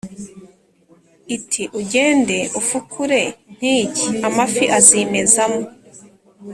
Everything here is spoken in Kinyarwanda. iti “Ugende ufukure nk’iki, amafi azimezamo”